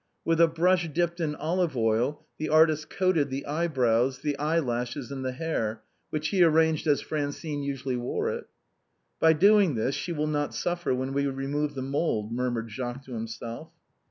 With a brush dipped in olive oil the artist coated the eye brows, the eye lashes and the hair, which he arranged as Francine usually wore it. " By doing this she will not suffer when we remove the mould," murmured Jacques to himself.